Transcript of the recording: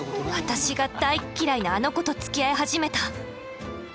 私が大っ嫌いなあの子とつきあい始めた。